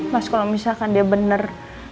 mas kalau misalkan dia benar